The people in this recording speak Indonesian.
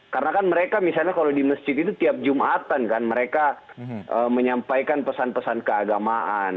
karena kan mereka misalnya kalau di masjid itu tiap jum'atan kan mereka menyampaikan pesan pesan keagamaan